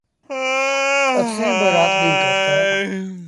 اسيٚݩ با رآت ڏيٚݩهݩ ڪرتآ۔۔